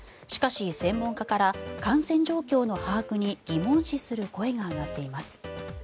しかし専門家から感染状況の把握に疑問視する声が上がっています。